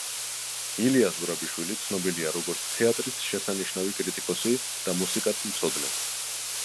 ილია ზურაბიშვილი ცნობილია როგორც თეატრის შესანიშნავი კრიტიკოსი და მუსიკათმცოდნე.